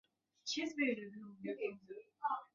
餐饮股份有限公司